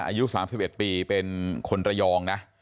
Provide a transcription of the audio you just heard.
อายุ๓๑ปีเป็นคนระยองนะ